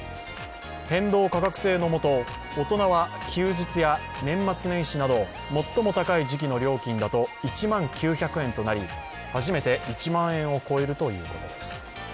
変動価格制のもと、大人は休日や年末年始など最も高い時期の料金だと１万９００円となり初めて１万円を超えるということです。